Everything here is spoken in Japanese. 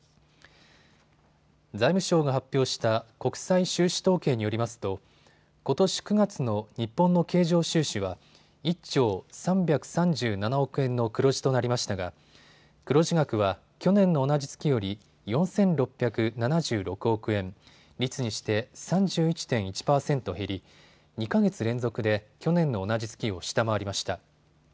財務省が発表した国際収支統計によりますとことし９月の日本の経常収支は１兆３３７億円の黒字となりましたが黒字額は去年の同じ月より４６７６億円、率にして３１．１％減り２か月連続で去年の同じ月を下回りました。